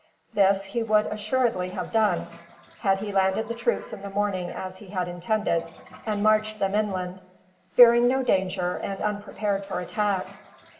This he would assuredly have done, had he landed the troops in the morning as he had intended, and marched them inland, fearing no danger, and unprepared for attack.